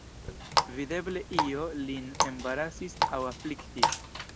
Videble io lin embarasis aŭ afliktis.